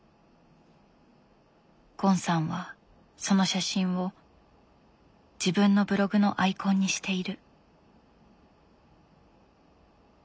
ゴンさんはその写真を自分のブログのアイコンにしている。